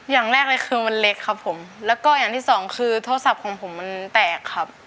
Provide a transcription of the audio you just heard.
อย่างแรกเลยคือมันเล็กครับผมแล้วก็อย่างที่สองคือโทรศัพท์ของผมมันแตกครับ